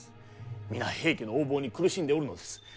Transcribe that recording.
皆平家の横暴に苦しんでおるのです。